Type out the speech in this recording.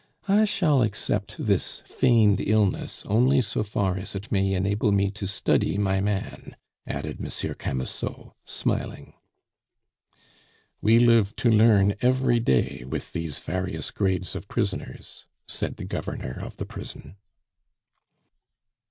I shall accept this feigned illness only so far as it may enable me to study my man," added Monsieur Camusot, smiling. "We live to learn every day with these various grades of prisoners," said the Governor of the prison.